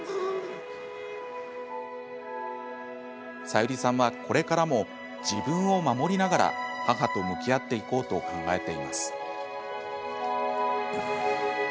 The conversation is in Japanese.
サユリさんは、これからも自分を守りながら母と向き合っていこうと考えています。